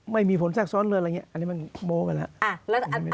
ไม่มีผลแทรกซ้อนเลยอะไรอย่างนี้อันนี้มันโม้ไปแล้ว